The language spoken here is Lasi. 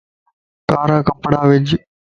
ڪارا ڪپڙا وِج